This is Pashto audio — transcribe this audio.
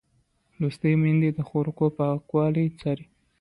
لوستې میندې د خوړو پاکوالی څاري.